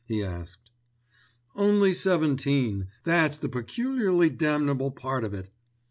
he asked. "Only seventeen; that's the peculiarly damnable part of it.